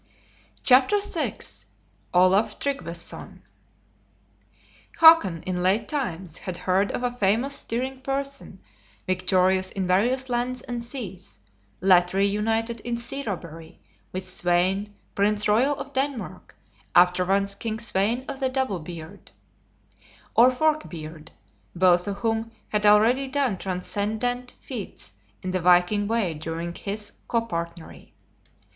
CHAPTER VI. OLAF TRYGGVESON. Hakon, in late times, had heard of a famous stirring person, victorious in various lands and seas, latterly united in sea robbery with Svein, Prince Royal of Denmark, afterwards King Svein of the Double beard ("Zvae Skiaeg", Twa Shag) or fork beard, both of whom had already done transcendent feats in the viking way during this copartnery.